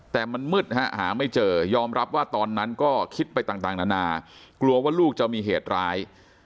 แต่มันมืดฮะหาไม่เจอยอมรับว่าตอนนั้นก็คิดไปต่างนานากลัวว่าลูกจะมีเหตุร้าย